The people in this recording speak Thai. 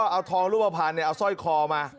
เอาทองรูปภัณฑ์เอาสร้อยคอมา